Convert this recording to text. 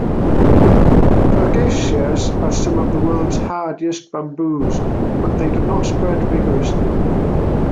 Fargesias are some of the world's hardiest bamboos, but they do not spread vigorously.